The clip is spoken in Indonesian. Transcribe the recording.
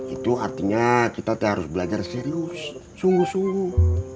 itu artinya kita harus belajar serius sungguh sungguh